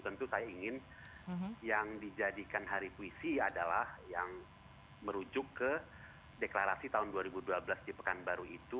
tentu saya ingin yang dijadikan hari puisi adalah yang merujuk ke deklarasi tahun dua ribu dua belas di pekanbaru itu